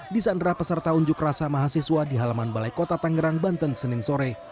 di sandra peserta unjuk rasa mahasiswa di halaman balai kota tangerang banten senin sore